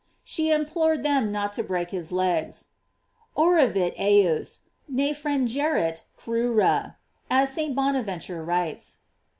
She implored them not to break his legs : "Oravit eos, ne frangerent crura," as St. Bonaventure writes.